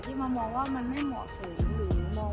ที่มามองว่ามันไม่เหมาะสูง